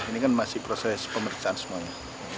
ini kan masih proses pemeriksaan semuanya